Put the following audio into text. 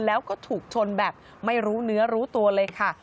แล้วก็ถูกชนแบบไม่รู้เนื้อรู้ตัวเลยค่ะ